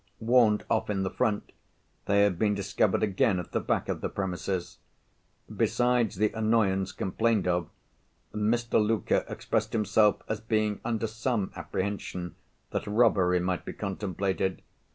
Warned off in the front, they had been discovered again at the back of the premises. Besides the annoyance complained of, Mr. Luker expressed himself as being under some apprehension that robbery might be contemplated.